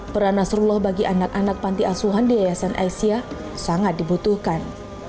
peran nasrullah bagi anak anak pantiasuhan di ayasan asia sangat dibutuhkan